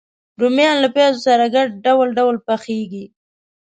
رومیان له پیاز سره ګډ ډول ډول پخېږي